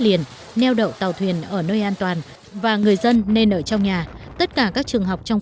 liền neo đậu tàu thuyền ở nơi an toàn và người dân nên ở trong nhà tất cả các trường học trong